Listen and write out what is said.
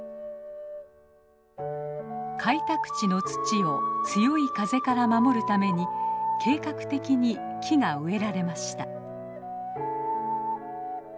開拓地の土を強い風から守るために計画的に木が植えられました。